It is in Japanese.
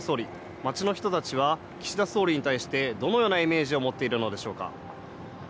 街の人たちは岸田総理に対してどのようなイメージを持っているのでしょうか？